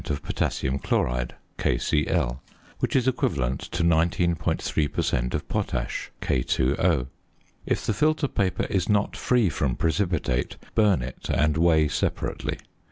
of potassium chloride (KCl), which is equivalent to 19.3 per cent. of potash (K_O). If the filter paper is not free from precipitate, burn it and weigh separately.